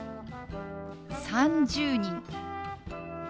「３０人」。